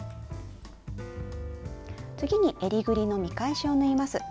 次にえりぐりの見返しを縫います。